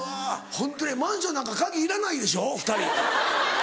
ホントにマンションなんか鍵いらないでしょ２人。